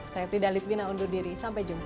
saya frida litwina undur diri sampai jumpa